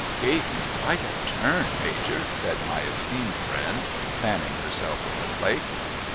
' Gave me quite a turn, Major,' said my esteemed friend, fanning herself with a plate.